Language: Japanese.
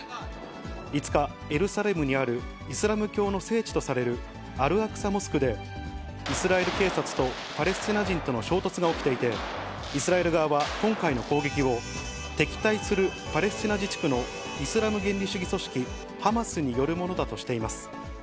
５日、エルサレムにあるイスラム教の聖地とされるアルアクサ・モスクで、イスラエル警察とパレスチナ人との衝突が起きていて、イスラエル側は今回の攻撃を、敵対するパレスチナ自治区のイスラム原理主義組織ハマスによるものだとしています。